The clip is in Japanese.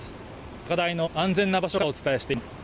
高台の安全な場所からお伝えしています。